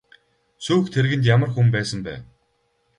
Сүйх тэргэнд ямар хүн байсан бэ?